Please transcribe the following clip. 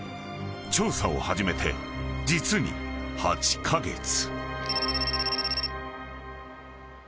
［調査を始めて実に８カ月］